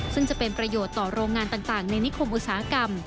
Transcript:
ซึ่งจะเป็นประโยชน์ต่อโรงงานต่างในนิคมอุตสาหกรรม